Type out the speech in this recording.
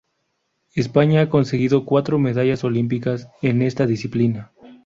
España ha conseguido cuatro medallas olímpicas en esta disciplina.